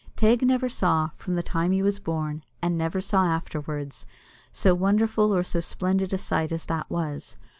Teig never saw, from the time he was born, and never saw afterwards, so wonderful or so splendid a sight as that was.